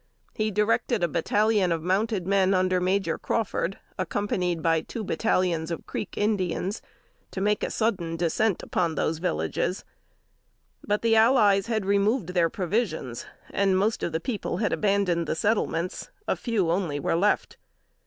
He directed a battalion of mounted men under Major Crawford, accompanied by two battalions of Creek Indians, to make a sudden descent upon those villages. But the allies had removed their provisions, and most of the people had abandoned the settlements. A few only were left.